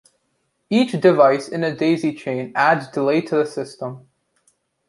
Each device in a daisy chain adds delay to the system.